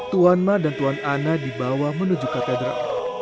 tuan ma dan tuan ana dibawa menuju katedral